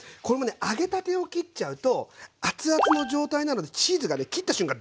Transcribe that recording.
揚げたてを切っちゃうとアツアツの状態なのでチーズがね切った瞬間